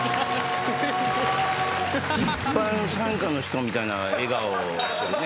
一般参加の人みたいな笑顔をするね。